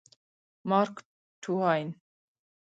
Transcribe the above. مارک ټواین